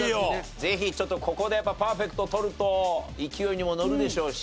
ぜひちょっとここでやっぱパーフェクトを取ると勢いにも乗るでしょうし。